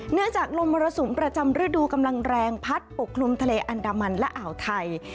จากลมมรสุมประจำฤดูกำลังแรงพัดปกคลุมทะเลอันดามันและอ่าวไทย